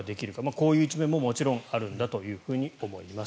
こういう一面ももちろんあるんだと思います。